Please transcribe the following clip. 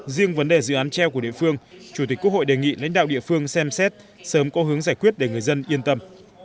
riêng vấn đề dự án treo của địa phương chủ tịch quốc hội đề nghị lãnh đạo địa phương xem xét sớm có hướng giải quyết để người dân yên tâm